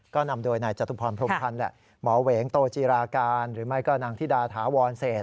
ก็นำโดยนายจตุพรพรมพันธ์แหละหมอเหวงโตจีราการหรือไม่ก็นางธิดาถาวรเศษ